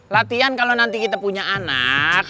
latihan kalau nanti kita punya anak